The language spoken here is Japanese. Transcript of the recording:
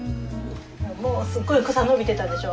もうすごい草伸びてたでしょ？